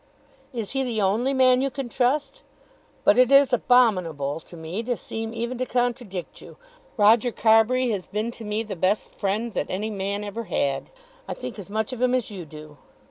"Is he the only man you can trust? But it is abominable to me to seem even to contradict you. Roger Carbury has been to me the best friend that any man ever had. I think as much of him as you do."